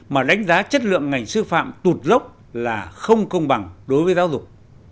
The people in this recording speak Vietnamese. mà đánh giá chất lượng ngành sư phạm tụt dốc là không công bằng đối với giáo dục